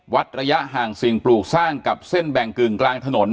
ระยะห่างสิ่งปลูกสร้างกับเส้นแบ่งกึ่งกลางถนน